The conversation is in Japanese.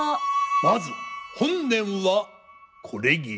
まず本年はこれぎり。